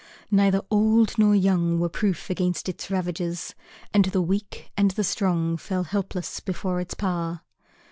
Neither old nor young were proof against its ravages, and the weak and the strong fell helpless before its power.